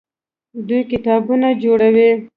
دوی کتابتونونه جوړوي.